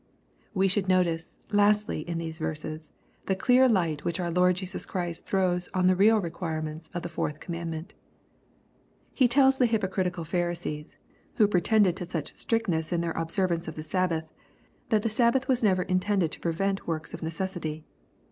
'* We should notice, lastly, in these verses, the dear light which our Lord Jesua Christ throws on the real require ments of the fourth commandment* He tells the hypocrit ical Pharisees, who pretended to such strictness iu their observance of the Sabbath, that the Sabbath was never intended to prevent works of necessity.